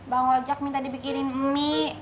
bang ojak minta dibikinin mie